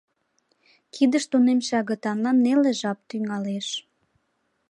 Кидыш тунемше агытанлан неле жап тӱҥалеш.